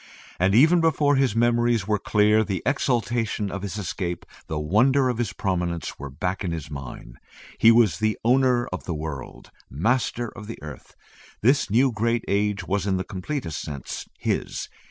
And even before his memories were clear, the exultation of his escape, the wonder of his prominence were back in his mind. He was owner of the world; Master of the Earth. This new great age was in the completest sense his.